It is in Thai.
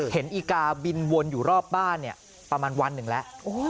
อีกาบินวนอยู่รอบบ้านประมาณวันหนึ่งแล้ว